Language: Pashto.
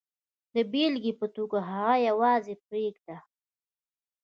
د بېلګې په توګه هغه یوازې پرېږدو.